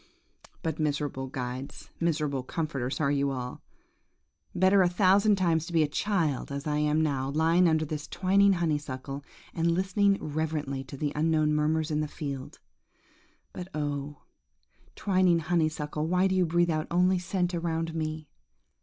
But, miserable guides, miserable comforters are ye all! Better a thousand times to be a child as I am now, lying under this twining honeysuckle, and listening reverently to the unknown murmurs in the field! But oh! twining honeysuckle, why do you breathe out only scent around me?